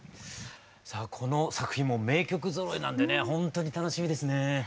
さあこの作品もう名曲ぞろいなんでねほんとに楽しみですね。